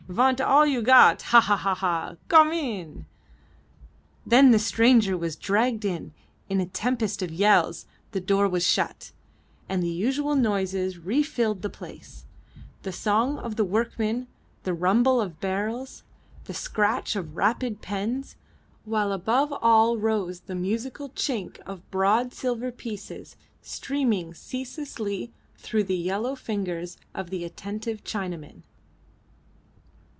Vant all you got; ha! ha! ha! Gome in!" Then the stranger was dragged in, in a tempest of yells, the door was shut, and the usual noises refilled the place; the song of the workmen, the rumble of barrels, the scratch of rapid pens; while above all rose the musical chink of broad silver pieces streaming ceaselessly through the yellow fingers of the attentive Chinamen.